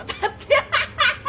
アハハハハ！